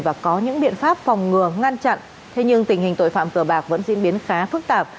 và có những biện pháp phòng ngừa ngăn chặn thế nhưng tình hình tội phạm cờ bạc vẫn diễn biến khá phức tạp